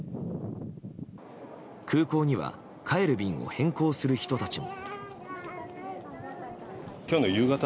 空港には帰る便を変更する人たちも。